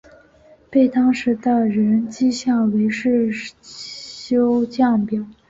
被当时的人讥笑为世修降表。